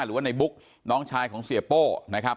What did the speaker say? หรือว่าในบุ๊กน้องชายของเสียโป้นะครับ